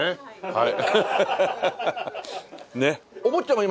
はい。